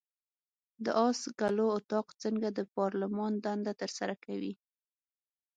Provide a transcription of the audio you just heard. د آس ګلو اطاق څنګه د پارلمان دنده ترسره کوي؟